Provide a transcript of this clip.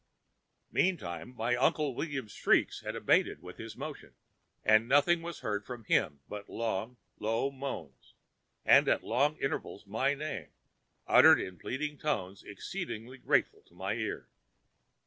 "Meantime Uncle William's shrieks had abated with his motion, and nothing was heard from him but long, low moans, and at long intervals my name, uttered in pleading tones exceedingly grateful to my ear.